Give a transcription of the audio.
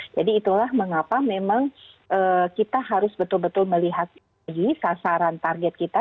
jadi itulah mengapa memang kita harus betul betul melihat lagi sasaran target kita